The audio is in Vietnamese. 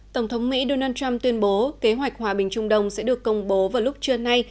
tổng thống mỹ donald trump tuyên bố kế hoạch hòa bình trung đông sẽ được công bố vào lúc trưa nay